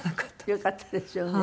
よかったですよね。